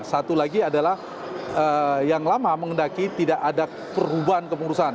satu lagi adalah yang lama mengendaki tidak ada perubahan kepengurusan